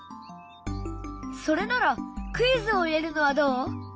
それならクイズを入れるのはどう？